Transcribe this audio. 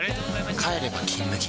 帰れば「金麦」